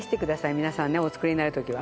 皆さんねお作りになる時は。